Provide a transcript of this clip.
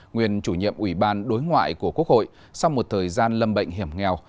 nguyên chủ nhiệm ủy ban đối ngoại của quốc hội sau một thời gian lâm bệnh hiểm nghèo